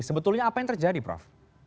sebetulnya apa yang terjadi prof